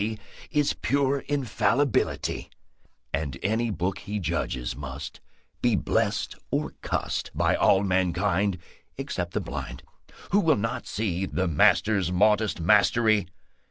He Is pure infallibility, And any book he judges must Be blessed or cussed By all mankind, Except the blind Who will not see The master's modest mastery.